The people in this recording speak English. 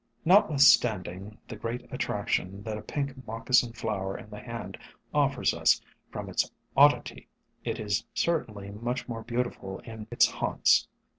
Notwithstanding the great attraction that a Pink Moccasin Flower in the hand offers us from its oddity, it is certainly much more beautiful in its haunts.